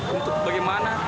untuk bagi mahasiswa islam